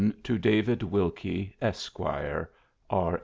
TO DAVID WILKIE, ESQ., R.